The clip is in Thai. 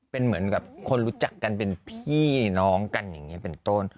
เป็นเหมือนกับคนรู้จักกันเป็นพี่น้องกันอย่างนี้เป็นต้น